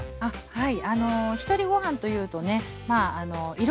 はい。